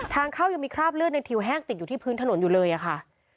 ทางเข้ายังมีคราบเลือดในทิวแห้งติดอยู่ที่พื้นถนนอยู่เลยอะค่ะ